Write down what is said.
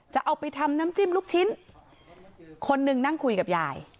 จะเอาไปทำน้ำจิ้มลูกชิ้นคนหนึ่งนั่งคุยกับยาย